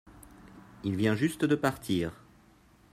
il vient juste de partir.